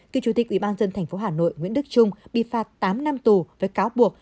cựu chủ tịch ủy ban dân thành phố hà nội nguyễn đức trung bị phạt tám năm tù với cáo buộc